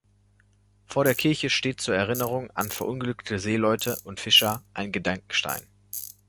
Vor der Kirche steht zur Erinnerung an verunglückte Seeleute und Fischer ein Gedenkstein.